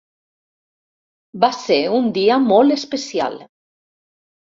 Va ser un dia molt especial.